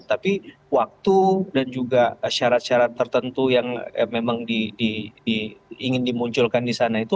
tapi waktu dan juga syarat syarat tertentu yang memang ingin dimunculkan di sana itu